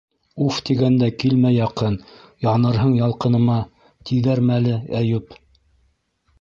«Уф» тигәндә килмә яҡын, янырһың ялҡыныма! - тиҙәр мәле, Әйүп...